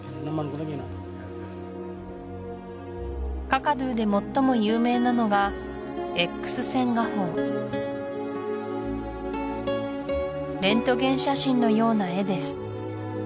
カカドゥで最も有名なのがレントゲン写真のような絵です